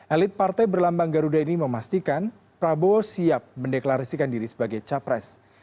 elit partai berlambang garuda ini memastikan prabowo siap mendeklarasikan diri sebagai capres